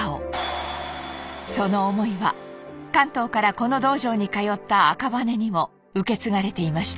その思いは関東からこの道場に通った赤羽根にも受け継がれていました。